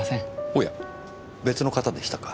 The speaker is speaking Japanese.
おや別の方でしたか。